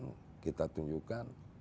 kemudian kita tunjukkan